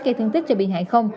gây thương tích cho bị hại không